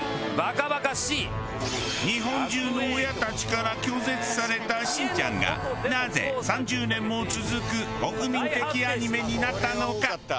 日本中の親たちから拒絶された『しんちゃん』がなぜ３０年も続く国民的アニメになったのか？